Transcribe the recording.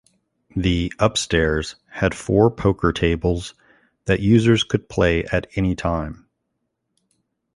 The Upstairs had four poker tables that users could play at any time.